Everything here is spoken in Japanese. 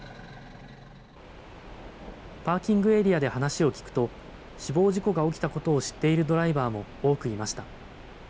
パーキングエリアで話を聞くと、死亡事故が起きたことを知っているドライバーも多くいました。